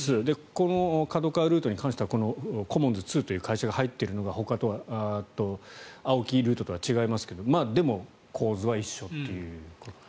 このＫＡＤＯＫＡＷＡルートに関してはコモンズ２という会社が入っているのがＡＯＫＩルートとは違いますがでも、構図は一緒という。